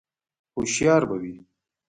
_هوښيار به وي؟